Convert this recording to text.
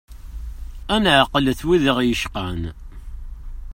Ad neɛqlet wid i ɣ-yecqan.